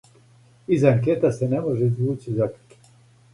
Из анкета се не може извући закључак.